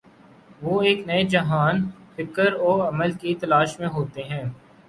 وہ ایک نئے جہان فکر و عمل کی تلاش میں ہوتے ہیں۔